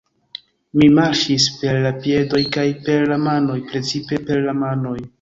Mi marŝis per la piedoj kaj per la manoj, precipe per la manoj.